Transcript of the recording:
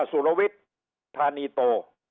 สุรวิทย์ธานีโต